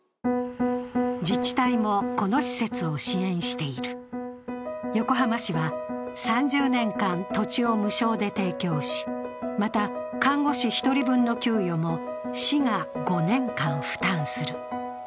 自治体も、この施設を支援している横浜市は３０年間、土地を無償で提供し、また看護師１人分の給与も市が５年間負担する。